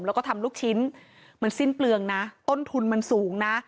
แล้วก็ทำลูกชิ้นมันสิ้นเปลืองนะต้นทุนมันสูงนะ